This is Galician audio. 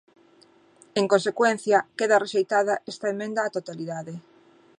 En consecuencia, queda rexeitada esta emenda á totalidade.